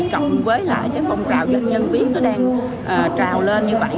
cộng với lại cái phong trào doanh nhân biết nó đang trào lên như vậy